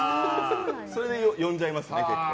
それで呼んじゃいますね、結構。